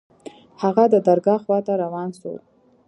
هغه د درګاه خوا ته روان سو.